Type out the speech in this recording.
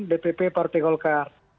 dpp partai golkar